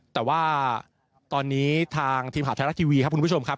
แต่ว่าตอนนี้ทางทีมข่าวไทยรัฐทีวีครับคุณผู้ชมครับ